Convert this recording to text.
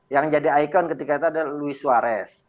yang jadi ikon ketika itu adalah louis suarez